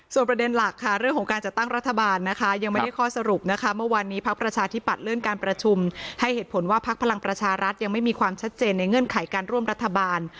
ประเด็นหลักค่ะเรื่องของการจัดตั้งรัฐบาลนะคะยังไม่ได้ข้อสรุปนะคะเมื่อวานนี้พักประชาธิบัตย์เลื่อนการประชุมให้เหตุผลว่าพักพลังประชารัฐยังไม่มีความชัดเจนในเงื่อนไขการร่วมรัฐบาล